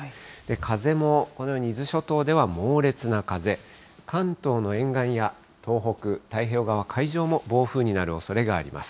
風もこのように、伊豆諸島では猛烈な風、関東の沿岸や東北太平洋側海上も、暴風になるおそれがあります。